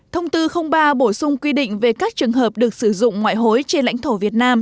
thông tư ba bổ sung quy định về các trường hợp được sử dụng ngoại hối trên lãnh thổ việt nam